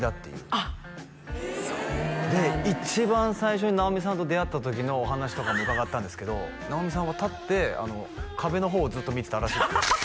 あっそうなんですで一番最初に直美さんと出会った時のお話とかも伺ったんですけど直美さんは立って壁の方をずっと見てたらしいんです